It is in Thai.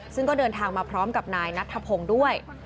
ซึ่งก็เดินทางมาพร้อมกับนายนัทธพงศ์ด้วย